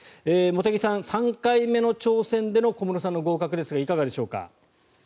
茂木さん、３回目の挑戦での小室さんの合格ですがいかがでしょうか？